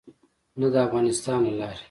نه د افغانستان له لارې.